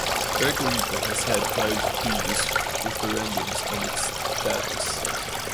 Puerto Rico has had five previous referendums on its status.